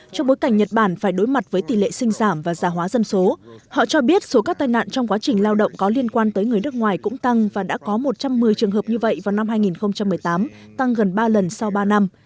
số các tai nạn trong quá trình lao động có liên quan tới người nước ngoài cũng tăng và đã có một trăm một mươi trường hợp như vậy vào năm hai nghìn một mươi tám tăng gần ba lần sau ba năm